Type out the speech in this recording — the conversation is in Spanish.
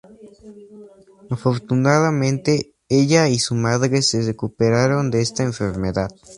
Afortunadamente, ella y su madre se recuperaron de esta enfermedad.